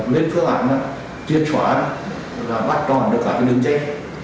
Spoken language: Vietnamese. điều thứ hai là chiến thoá bắt đòn được cả đường dây